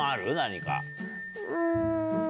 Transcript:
うん。